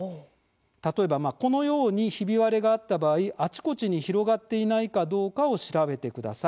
例えば、このようにひび割れがあった場合あちこちに広がっていないかどうかを調べてください。